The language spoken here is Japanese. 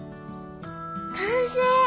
完成！